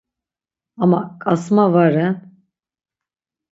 Ama ǩasma va ren.